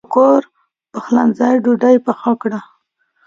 نن مې د کور پخلنځي ډوډۍ پخه کړه.